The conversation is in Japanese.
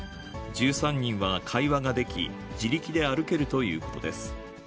１３人は会話ができ、自力で歩けるということです。